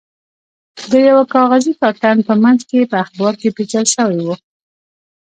د یوه کاغذي کارتن په منځ کې په اخبار کې پېچل شوی و.